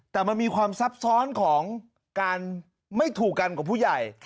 แต่มันมีความซับซ้อนของการไม่ถูกกันกับผู้ใหญ่